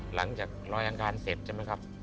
หลังจากลอยอังคารเสร็จใช่ไหมครับ